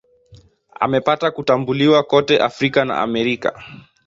Amepata kutambuliwa kote Afrika na Amerika.